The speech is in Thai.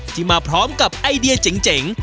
มาพร้อมกับไอเดียเจ๋ง